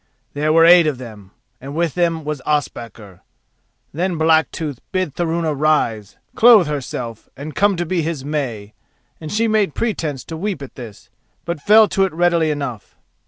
There were eight of them, and with them was Ospakar. Then Blacktooth bid Thorunna rise, clothe herself and come to be his May, and she made pretence to weep at this, but fell to it readily enough.